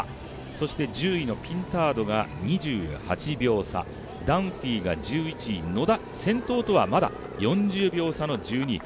そして１０位のピンタードが２８秒差ダンフィーが１１位野田、先頭とはまだ４０秒差の１２位。